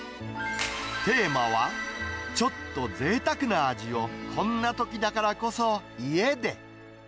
テーマは、ちょっとぜいたくな味を、こんなときだからこそ家で。